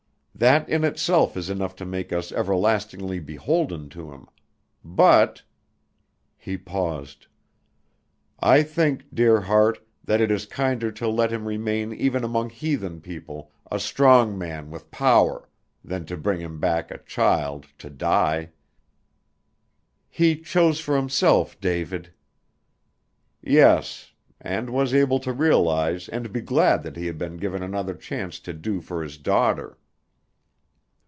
That in itself is enough to make us everlastingly beholden to him. But " he paused, "I think, dear heart, that it is kinder to let him remain even among heathen people a strong man with power, than to bring him back, a child, to die." "He chose for himself, David." "Yes and was able to realize and be glad that he had been given another chance to do for his daughter."